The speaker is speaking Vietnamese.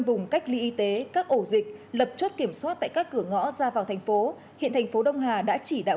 từ lập chốt kiểm soát tại các cửa ngõ ra vào thành phố hiện thành phố đông hà đã chỉ đạo